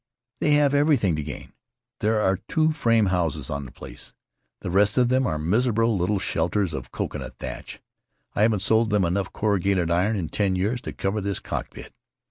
"Thev have everything to gain. There are only two frame houses on the place. The rest of them are miserable little shelters of coconut thatch. I haven't sold them enough corrugated iron in ten years to cover this cockpit.